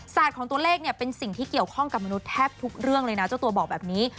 ของตัวเลขเนี่ยเป็นสิ่งที่เกี่ยวข้องกับมนุษย์แทบทุกเรื่องเลยนะเจ้าตัวบอกแบบนี้